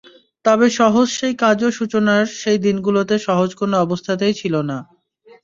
তবে সহজ সেই কাজও সূচনার সেই দিনগুলোতে সহজ কোনো অবস্থাতেই ছিল না।